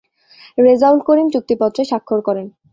রেজাউল করিম চুক্তিপত্রে স্বাক্ষর করেন।